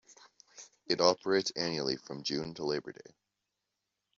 It operates annually from June to Labor Day.